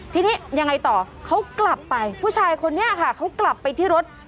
ทีนี้ยังไงต่อเขากลับไปผู้ชายคนนี้ค่ะเขากลับไปที่รถ